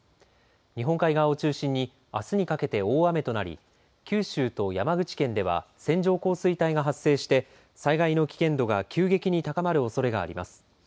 日本海側を中心にあすにかけて大雨となり、九州と山口県では線状降水帯が発生して災害の危険度が急激に強まるおそれがあります。